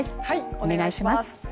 お願いします。